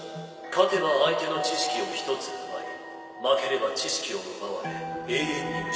勝てば相手の知識を１つ奪い負ければ知識を奪われ永遠に失う。